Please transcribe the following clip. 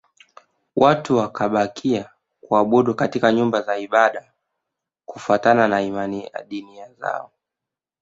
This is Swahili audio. Watu wakabakia kuabudu katika nyumba za ibada kufuatana na imani ya dini zao